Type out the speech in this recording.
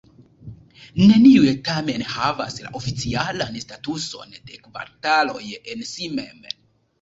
Neniuj tamen havas la oficialan statuson de kvartaloj en si mem.